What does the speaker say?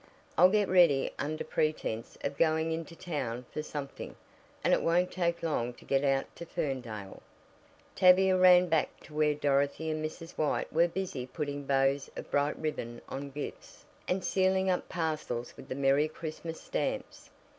I'll get ready under pretense of going into town for something, and it won't take long to get out to Ferndale." Tavia ran back to where Dorothy and Mrs. White were busy putting bows of bright ribbon on gifts, and sealing up parcels with the Merry Christmas stamps.